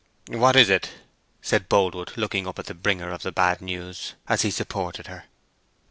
"What is it?" said Boldwood, looking up at the bringer of the big news, as he supported her.